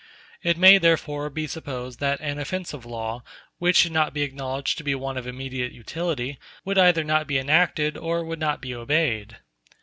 It may therefore be supposed that an offensive law, which should not be acknowledged to be one of immediate utility, would either not be enacted or would not be obeyed.